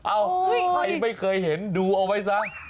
เอ้าใครไม่เคยเห็นดูเอาไว้ซะ